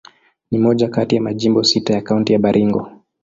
Ni moja kati ya majimbo sita ya Kaunti ya Baringo.